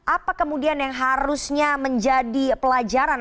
apa kemudian yang harusnya menjadi pelajaran